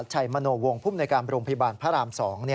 ชัยมโนวงภูมิในการโรงพยาบาลพระราม๒